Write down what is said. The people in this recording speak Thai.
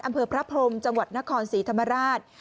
อำเภอพระพรมจังหวัดนครศรีธรรมราช